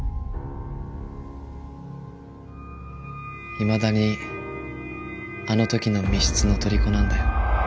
いまだにあの時の密室のとりこなんだよ。